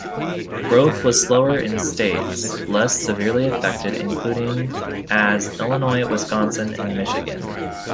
Growth was slower in states less severely affected, including as Illinois, Wisconsin, and Michigan.